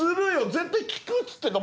絶対聞くっつってんだよ